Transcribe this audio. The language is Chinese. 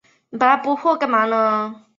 学院在庆和省金兰市也开设了校区。